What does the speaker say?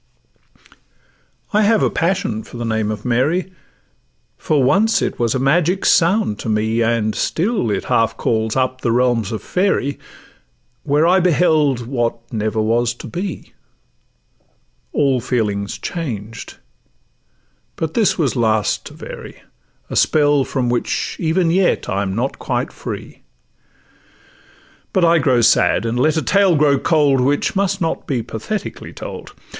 I have a passion for the name of 'Mary,' For once it was a magic sound to me; And still it half calls up the realms of fairy, Where I beheld what never was to be; All feelings changed, but this was last to vary, A spell from which even yet I am not quite free: But I grow sad—and let a tale grow cold, Which must not be pathetically told.